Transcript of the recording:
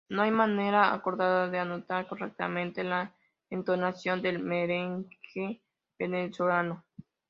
No hay manera acordada de anotar correctamente la entonación del merengue venezolano.